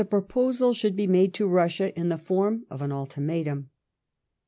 proposal should be made to Bussia in the form of an ultimatam.